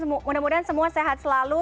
mudah mudahan semua sehat selalu